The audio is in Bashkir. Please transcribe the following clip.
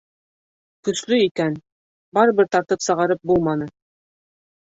Көслө икән, барыбер тартып сығарып булманы.